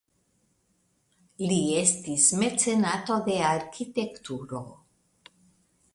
Li estis mecenato de arkitekturo.